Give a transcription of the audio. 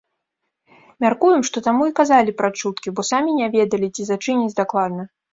Мяркуем, што таму і казалі пра чуткі, бо самі не ведалі, ці зачыняць дакладна.